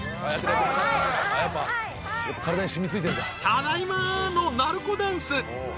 ［ただいまの鳴子ダンス］